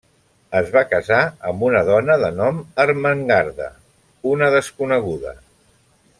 Es va casar amb una dona de nom Ermengarda, una desconeguda.